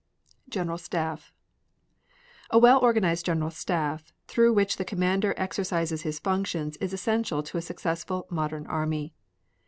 GENERAL STAFF A well organized General Staff through which the commander exercises his functions is essential to a successful modern army.